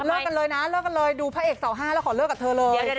เลิกกันเลยนะเลิกกันเลยดูพระเอกเสาห้าแล้วขอเลิกกับเธอเลย